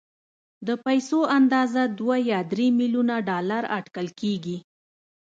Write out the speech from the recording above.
د پيسو اندازه دوه يا درې ميليونه ډالر اټکل کېږي.